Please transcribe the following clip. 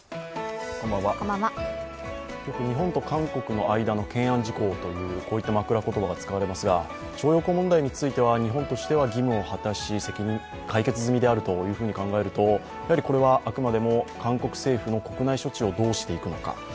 よく日本と韓国の懸案事項という、こういった枕ことばが使われますが、徴用工問題は日本としては義務を果たし、解決済みであると考えるとこれはあくまでも韓国政府の国内処置をどうしていくのか。